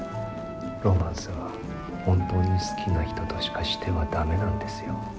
ロマンスは本当に好きな人としかしては駄目なんですよ。